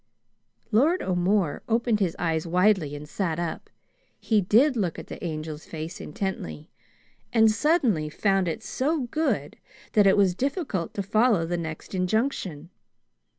Lord O'More opened his eyes widely and sat up. He did look at the Angel's face intently, and suddenly found it so good that it was difficult to follow the next injunction.